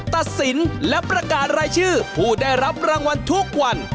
ตัดสินและประกาศรายชื่อผู้ได้รับรางวัลทุกวัน